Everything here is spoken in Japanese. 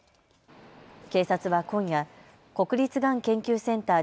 警察は今夜、国立がん研究センター